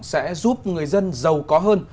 sẽ giúp người dân giàu có hơn